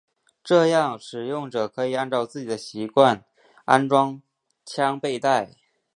这样使用者可以按照自己的习惯安装枪背带。